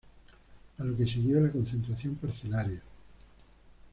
A lo que siguió la concentración parcelaria.